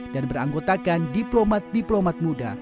dan beranggotakan diplomat diplomat muda